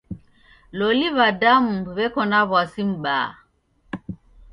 Loli w'adamu w'eko na w'asi m'baa.